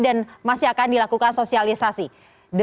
dan masih akan dilakukan sosialisasi